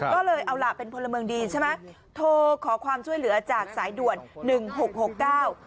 ก็เลยเอาล่ะเป็นพลเมืองดีใช่ไหมโทรขอความช่วยเหลือจากสายด่วนหนึ่งหกหกเก้า